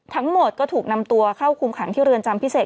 ทั้งหมดก็ถูกนำตัวเข้าคุมขังที่เรือนจำพิเศษ